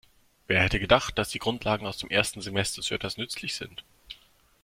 Wer hätte gedacht, dass die Grundlagen aus dem ersten Semester zu etwas nützlich sind?